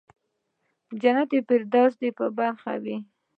جنت الفردوس دې په برخه وي.